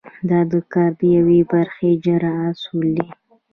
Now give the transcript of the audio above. دا د کار د یوې برخې اجرا اصول دي.